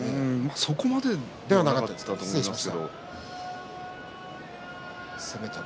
そこまでではなかったと思います。